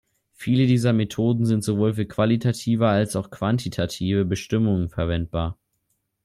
Viele dieser Methoden sind sowohl für qualitative als auch quantitative Bestimmungen verwendbar.